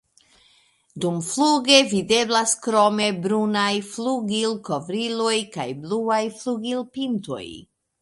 Dumfluge videblas krome brunaj flugilkovriloj kaj bluaj flugilpintoj.